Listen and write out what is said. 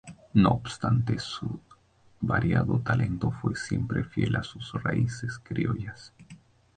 No obstante su variado talento, fue siempre fiel a sus raíces criollas.